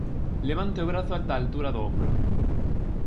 Levante o brazo ata a altura do ombro.